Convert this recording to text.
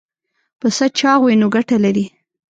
پسه چاغ وي نو ګټه لري.